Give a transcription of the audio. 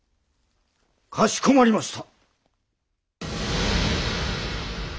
かしこまりました！